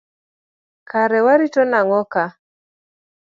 Kare warito nago ka.